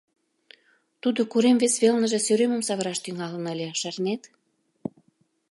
Тудо корем вес велнысе сӧремым савыраш тӱҥалын ыле, шарнет?